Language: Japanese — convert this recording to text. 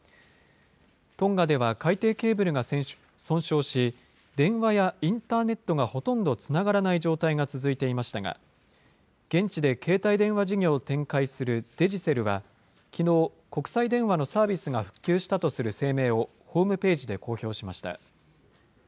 トンガでは海底ケーブルが損傷し、電話やインターネットがほとんどつながらない状態が続いていましたが、現地で携帯電話事業を展開するデジセルは、きのう、国際電話のサービスが復旧したとする声明をホームページで公表しました。